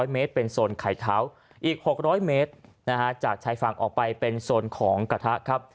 เมตรเป็นโซนไข่เท้าอีก๖๐๐เมตรจากชายฝั่งออกไปเป็นโซนของกระทะครับ